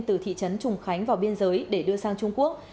từ thị trấn trùng khánh vào biên giới để đưa sang trung quốc